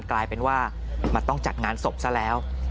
กลายเป็นว่ามันต้องจัดงานศพซะแล้ว